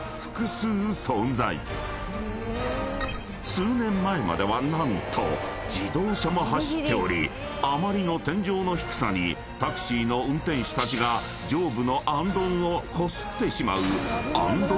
［数年前までは何と自動車も走っておりあまりの天井の低さにタクシーの運転手たちが上部の行灯をこすってしまう］